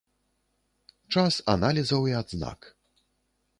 Час аналізаў і адзнак.